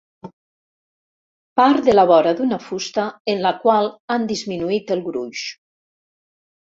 Part de la vora d'una fusta en la qual han disminuït el gruix.